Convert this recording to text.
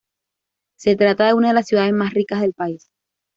Se trata de una de las ciudades más ricas del país.